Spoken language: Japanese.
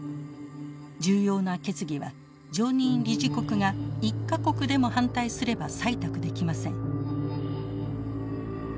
重要な決議は常任理事国が１か国でも反対すれば採択できません。